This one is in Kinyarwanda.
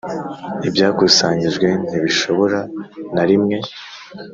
ibyakusanyijwe ntibishobora na rimwe